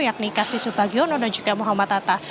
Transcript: yakni kasti subhagiono dan juga muhammad atta